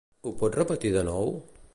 Ho pots repetir de nou?